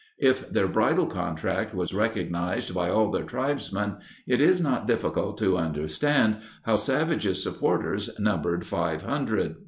If their bridal contract was recognized by all their tribesmen, it is not difficult to understand how Savage's supporters numbered five hundred.